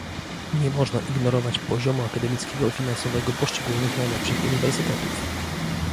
Nie można ignorować poziomu akademickiego i finansowego poszczególnych najlepszych uniwersytetów